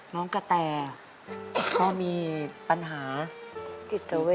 น้องกะแตก็มีปัญหาจิตเตอเวท